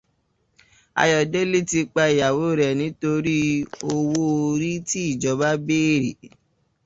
Ayọ̀délé ti pa ìyàwó rẹ̀ nítorí owó orí tí ìjọba bèèrè.